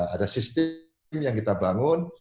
ada sistem yang kita bangun